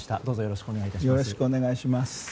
どうぞよろしくお願い致します。